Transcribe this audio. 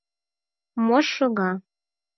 Мош шога?